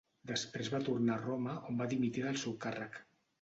Després va tornar a Roma on va dimitir del seu càrrec.